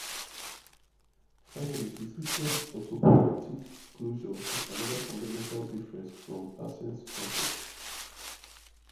Finally, the systems' autopoietic closure is another fundamental difference from Parsons' concept.